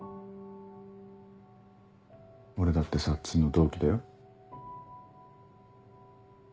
俺だってさっつんの同期だよ。